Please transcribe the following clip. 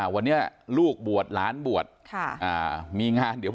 วันนี้ลูกบวชล้านบวชค่ะมีงานเดี๋ยวพรุ่งมา